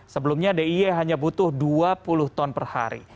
sebelumnya d i e hanya butuh dua puluh ton per hari